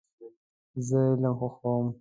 زه علم خوښوم .